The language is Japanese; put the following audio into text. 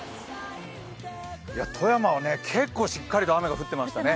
富山は結構しっかりと雨が降っていましたね。